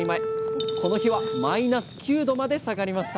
この日はマイナス９℃まで下がりました！